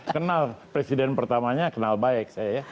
kenal presiden pertamanya kenal baik saya ya